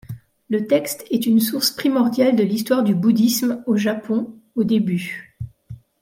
Le texte est une source primordiale de l'histoire du bouddhisme au Japon au début.